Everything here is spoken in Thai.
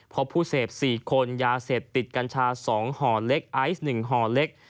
พบผู้เสพ๔คนยาเสพติดกัญชา๒ห่อเล็กไอซ์๑ห่อเล็ก